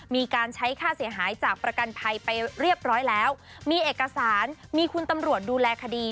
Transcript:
มีการใช้ค่าเสียหายจากประกันภัยไปเรียบร้อยแล้วมีเอกสารมีคุณตำรวจดูแลคดี